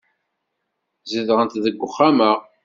Zedɣent deg uxxam-a.